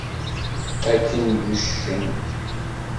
Akken d uccen!